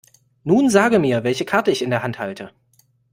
Nun sage mir, welche Karte ich in der Hand halte.